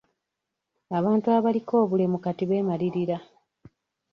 Abantu abaliko obulemu kati beemalirira.